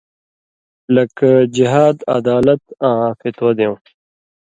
لَک: جہاد، عدالت آں فتوہ دیوں۔